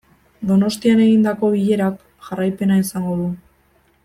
Donostian egindako bilerak jarraipena izango du.